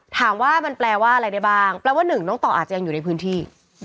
ถามว่ามันแปลว่าอะไรได้บ้างแปลว่าหนึ่งน้องต่ออาจจะยังอยู่ในพื้นที่